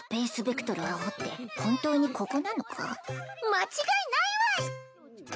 間違いないわい！